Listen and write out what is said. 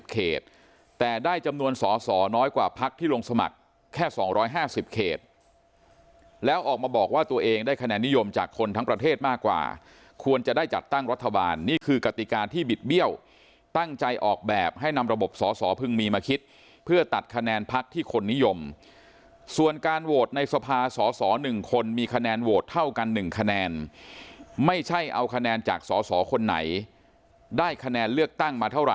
เขตแต่ได้จำนวนสอสอน้อยกว่าพักที่ลงสมัครแค่๒๕๐เขตแล้วออกมาบอกว่าตัวเองได้คะแนนนิยมจากคนทั้งประเทศมากกว่าควรจะได้จัดตั้งรัฐบาลนี่คือกติกาที่บิดเบี้ยวตั้งใจออกแบบให้นำระบบสอสอพึ่งมีมาคิดเพื่อตัดคะแนนพักที่คนนิยมส่วนการโหวตในสภาสอสอ๑คนมีคะแนนโหวตเท่ากัน๑คะแนนไม่ใช่เอาคะแนนจากสอสอคนไหนได้คะแนนเลือกตั้งมาเท่าไห